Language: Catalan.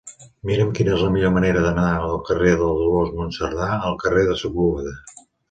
Mira'm quina és la millor manera d'anar del carrer de Dolors Monserdà al carrer de Sepúlveda.